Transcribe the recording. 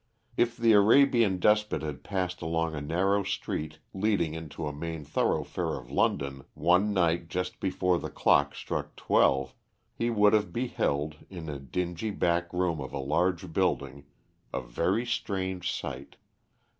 If the Arabian despot had passed along a narrow street leading into a main thoroughfare of London, one night just before the clock struck twelve, he would have beheld, in a dingy back room of a large building, a very strange sight.